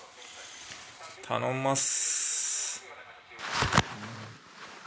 頼みます！